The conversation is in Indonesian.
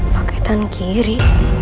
pake tangan kiri